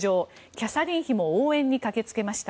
キャサリン妃も応援に駆けつけました。